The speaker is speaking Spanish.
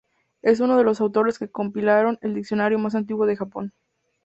Es uno de los autores que compilaron el diccionario más antiguo del Japón.